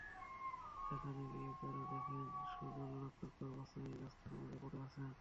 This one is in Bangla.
সেখানে গিয়ে তাঁরা দেখেন সজল রক্তাক্ত অবস্থায় রাস্তার মাঝে পড়ে আছেন।